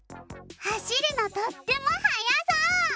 はしるのとってもはやそう！